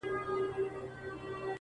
o غټه گوله ثواب لري، انډيوال هم حق لري!